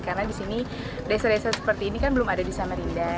karena di sini desa desa seperti ini kan belum ada di samarinda